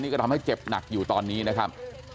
ก็ทำให้เจ็บหนักอยู่ตอนนี้นะครับ